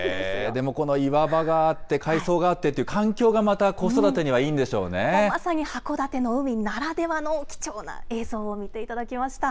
でもこの岩場があって、海藻があってっていう、環境がまた、まさに函館の海ならではの貴重な映像を見ていただきました。